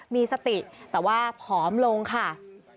มีสติแต่ว่าผอมลงค่ะ